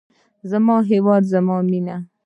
زما هیواد زما مینه.